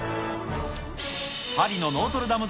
パリのノートルダム